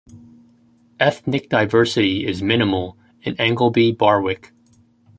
Ethnic diversity is minimal in Ingleby Barwick.